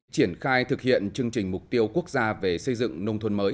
triển khai thực hiện chương trình mục tiêu quốc gia về xây dựng nông thôn mới